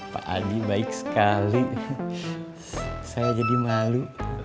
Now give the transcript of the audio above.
pak adi baik sekali saya jadi malu